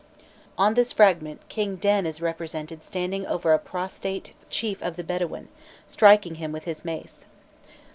On this fragment King Den is represented standing over a prostrate chief of the Bedouin, striking him with his mace.